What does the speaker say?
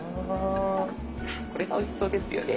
これがおいしそうですよね。